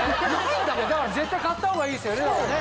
絶対買ったほうがいいですよね。